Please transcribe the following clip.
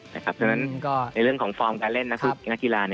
แต่ในเรื่องของฟอร์มการเล่นนักฯิลา